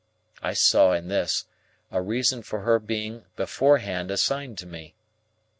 I saw in this, a reason for her being beforehand assigned to me.